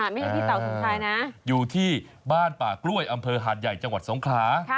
ไม่ใช่พี่เต๋าสมชายนะอยู่ที่บ้านป่ากล้วยอำเภอหาดใหญ่จังหวัดสงขลา